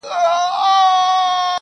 څنگه دي وستايمه,